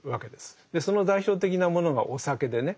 その代表的なものがお酒でね。